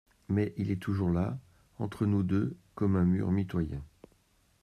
Mais il est toujours là, entre nous deux… comme un mur mitoyen.